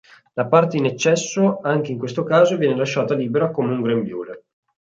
La parte in eccesso anche in questo caso viene lasciata libera come un grembiule.